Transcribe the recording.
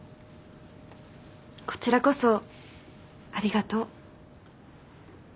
こちらこそありがとう。